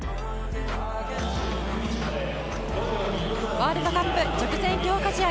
ワールドカップ直前強化試合